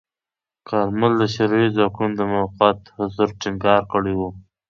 کارمل د شوروي ځواکونو موقت حضور ټینګار کړی و.